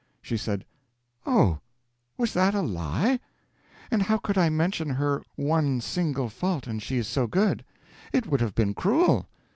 She said, "Oh, was that a lie? And how could I mention her one single fault, and she so good? it would have been cruel."